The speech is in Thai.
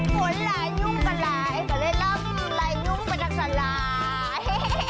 ฝนหลายยุ้งกระหลายและเริ่มหลายหลายยุ้งกระจัดหลาย